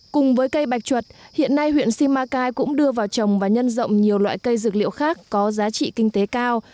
cùng với cây bạch chuột hiện nay huyện simacai cũng đưa vào trồng và nhân rộng nhiều loại cây dược liệu khác có giá trị kinh tế cao